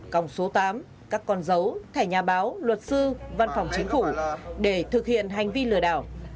còng số tám các con dấu thẻ nhà báo luật sư văn phòng chính phủ để thực hiện hành vi lừa đảo